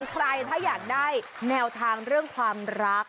ใครถ้าอยากได้แนวทางเรื่องความรัก